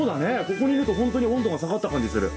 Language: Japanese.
ここにいるとほんとに温度が下がった感じする。